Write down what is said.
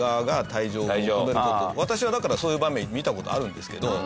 私はだからそういう場面見た事あるんですけど。